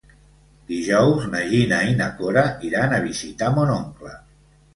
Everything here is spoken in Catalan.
Dijous na Gina i na Cora iran a visitar mon oncle.